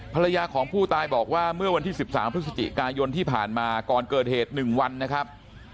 ภรรยาของผู้ตายบอกว่าเมื่อวันที่๑๓พฤศจิกายนที่ผ่านมาก่อนเกิดเหตุ๑วันนะครับ